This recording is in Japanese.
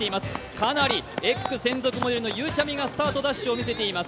かなり「エッグ」専属のゆうちゃみがスタートダッシュをしていきます。